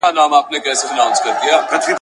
چي له مُغانه مي وروستی جام لا منلی نه دی !.